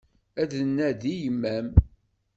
Ad d-nnadi yemma-m.